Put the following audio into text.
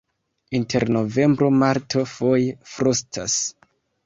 Inter novembro-marto foje frostas.